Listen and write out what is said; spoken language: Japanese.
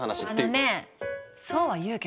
あのねえそうは言うけど。